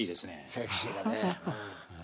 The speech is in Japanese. セクシーだね。